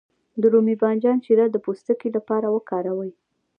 د رومي بانجان شیره د پوستکي لپاره وکاروئ